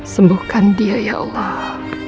sembuhkan dia ya allah